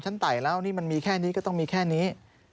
ไต่แล้วนี่มันมีแค่นี้ก็ต้องมีแค่นี้